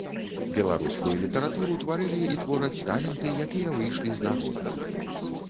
Беларускую літаратуру тварылі і твораць таленты, якія выйшлі з народа.